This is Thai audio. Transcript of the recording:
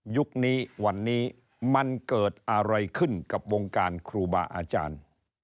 ยุคนี้วันนี้มันเกิดอะไรขึ้นกับวงการครูบาอาจารย์